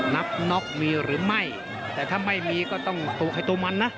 นับน็อกมีหรือไม่แต่ถ้าไม่มีก็ต้องตัวใครตัวมันนะ